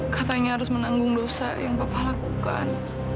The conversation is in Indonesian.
katanya harus menanggung dosa yang bapak lakukan